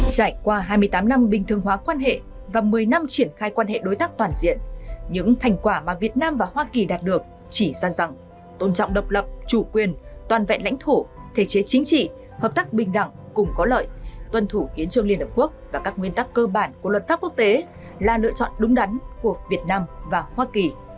trải qua hai mươi tám năm bình thường hóa quan hệ và một mươi năm triển khai quan hệ đối tác toàn diện những thành quả mà việt nam và hoa kỳ đạt được chỉ ra rằng tôn trọng độc lập chủ quyền toàn vẹn lãnh thổ thể chế chính trị hợp tác bình đẳng cùng có lợi tuân thủ kiến trương liên hợp quốc và các nguyên tắc cơ bản của luật pháp quốc tế là lựa chọn đúng đắn của việt nam và hoa kỳ